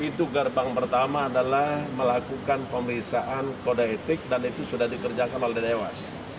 itu gerbang pertama adalah melakukan pemeriksaan kode etik dan itu sudah dikerjakan oleh dewas